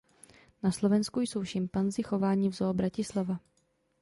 Na Slovensku jsou Šimpanzi chováni v Zoo Bratislava.